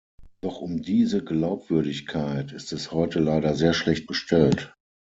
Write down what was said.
Doch um diese Glaubwürdigkeit ist es heute leider sehr schlecht bestellt.